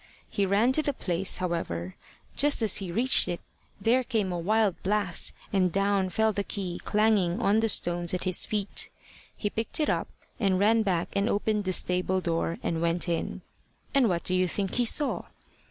He ran to the place, however: just as he reached it there came a wild blast, and down fell the key clanging on the stones at his feet. He picked it up, and ran back and opened the stable door, and went in. And what do you think he saw?